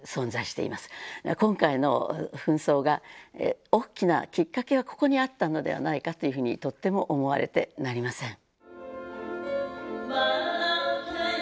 今回の紛争が大きなきっかけはここにあったのではないかというふうにとっても思われてなりません。